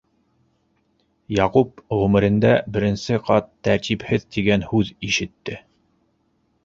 Яҡуп ғүмерендә беренсе ҡат «тәртипһеҙ» тигән һүҙ ишетте.